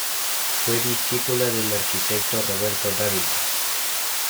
Fue discípula del arquitecto Roberto Dávila.